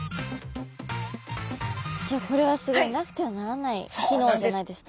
じゃあこれはすごいなくてはならない機能じゃないですか？